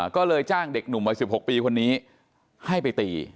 ก็เลยจ้างเด็กหนุ่มวัย๑๖ปีคนนี้ให้ไปตี